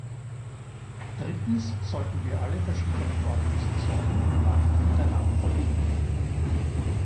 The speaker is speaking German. Drittens sollten wir alle verschiedenen Organisationen im Land miteinander verbinden.